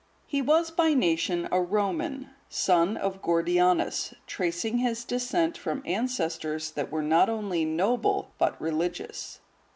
(145) He was by nation a Roman, son of Gordianus, tracing his descent from ancestors that were not only noble, but religious.